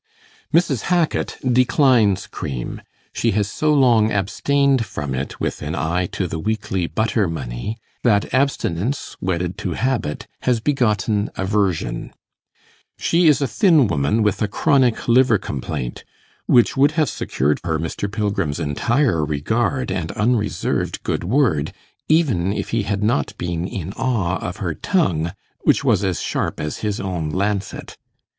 Mrs. Hackit declines cream; she has so long abstained from it with an eye to the weekly butter money, that abstinence, wedded to habit, has begotten aversion. She is a thin woman with a chronic liver complaint, which would have secured her Mr. Pilgrim's entire regard and unreserved good word, even if he had not been in awe of her tongue, which was as sharp as his own lancet.